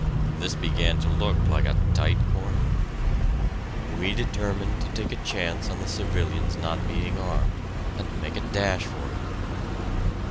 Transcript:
This began to look like a tight corner. We determined to take a chance on the civilians' not being armed, and make a dash for it.